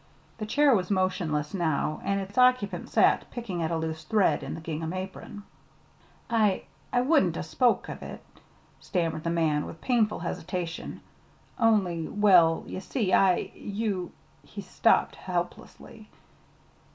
The chair was motionless now, and its occupant sat picking at a loose thread in the gingham apron. "I I wouldn't 'a' spoke of it," stammered the man, with painful hesitation, "only well, ye see, I you " he stopped helplessly.